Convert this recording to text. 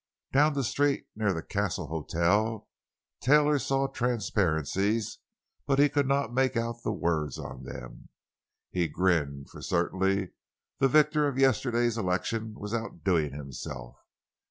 Down the street near the Castle Hotel, Taylor saw transparencies, but he could not make out the words on them. He grinned, for certainly the victor of yesterday's election was outdoing himself.